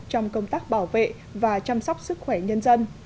trong công tác bảo vệ và chăm sóc sức khỏe nhân dân